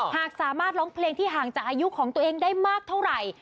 หากสามารถร้องเพลงที่ห่างจากอายุของตัวเองได้มากเท่าไหร่